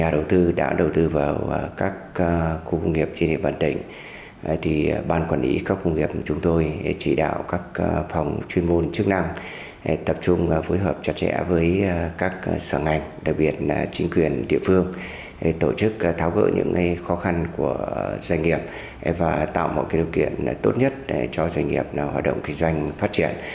để tạo điều kiện tốt nhất cho doanh nghiệp hoạt động kinh doanh phát triển